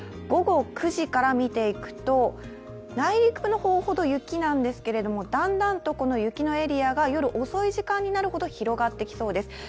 午後９時から見ていくと内陸の方ほど雪なんですが、だんだんとこの雪のエリアが夜遅くなるほど広がっていきそうです。